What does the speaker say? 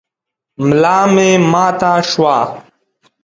ملا مي ماته شوه .